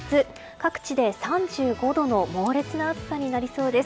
各地で３５度の猛烈な暑さになりそうです。